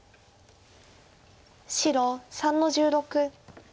白３の十六。